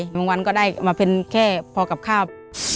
วันก็ได้มาเป็นแค่พอกับข้าว